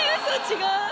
違う？